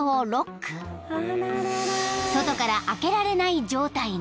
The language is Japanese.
［外から開けられない状態に］